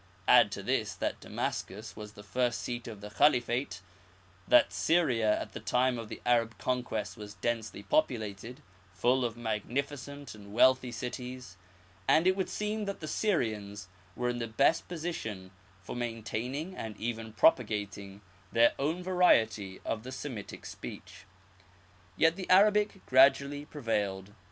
Add to this that Damascus was the first seat of the Khalifate, that Syria at the time of the Arab conquest was densely populated, full of magnificent and wealthy cities, and it would seem that the Syrians were in the best position for maintaining and even propagating their own variety of the Semitic speech. Yet the Arabic gradually prevailed.